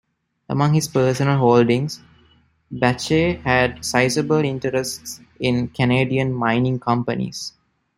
Among his personal holdings, Bache had sizeable interests in Canadian mining companies.